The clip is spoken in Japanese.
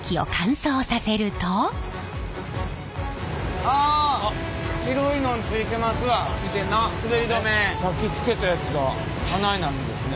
さっきつけたやつがあないなるんですね。